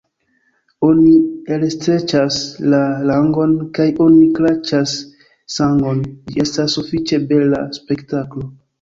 Oni elstreĉas la langon kaj oni kraĉas sangon; ĝi estas sufiĉe bela spektaklo.